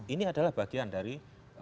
ini adalah bagian dari